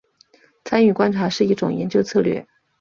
参与观察是一种研究策略。